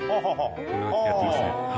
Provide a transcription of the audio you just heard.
やってますね。